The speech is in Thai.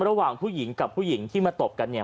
ระหว่างผู้หญิงกับผู้หญิงที่มาตบกันเนี่ย